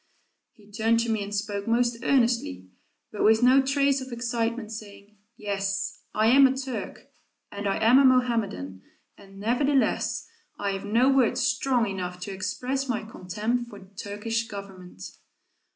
He turned to me and spoke most earnestly, but with no trace of excitement, saying, "Yes, I am a Turk, and I am a Mohammedan, and nevertheless, I have no words strong enough to express my contempt for the Turkish Government."